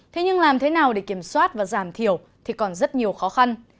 thế nhưng làm thế nào để kiểm soát và giảm thiểu thì còn rất nhiều khó khăn